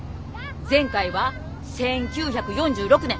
前回は１９４６年。